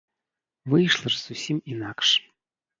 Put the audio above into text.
Выйшла ж зусім інакш.